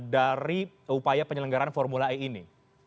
dari upaya penyelenggaran formula e ini